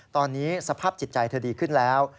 ตอนนี้สภาพจิตใจเธอดีขึ้นแล้ว